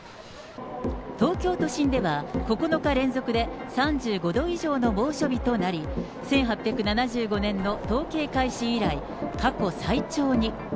東京都心では、９日連続で３５度以上の猛暑日となり、１８７５年の統計開始以来、過去最長に。